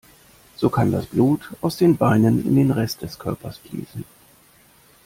So kann das Blut aus den Beinen in den Rest des Körpers fließen.